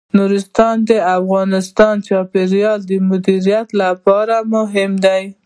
نورستان د افغانستان د چاپیریال د مدیریت لپاره مهم دي.